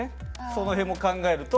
その辺も考えると。